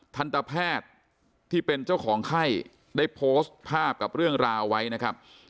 ทันตแพทย์ที่เป็นเจ้าของไข้ได้โพสต์ภาพกับเรื่องราวไว้นะครับ